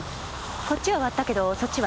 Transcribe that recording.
こっちは終わったけどそっちは？